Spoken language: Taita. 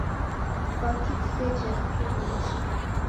Kwaki kusejazire nicha